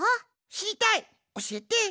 しりたいおしえて。